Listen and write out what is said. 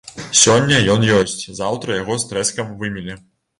Сёння ён ёсць, заўтра яго з трэскам вымелі.